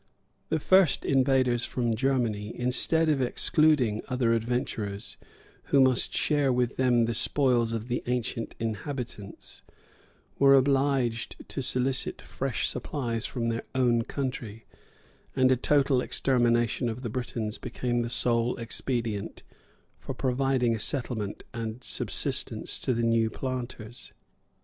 The first invaders from Germany, instead of excluding other adventurers, who must share with them the spoils of the ancient inhabitants, were obliged to solicit fresh supplies from their own country; and a total extermination of the Britons became the sole expedient for providing a settlement and subsistence to the new planters.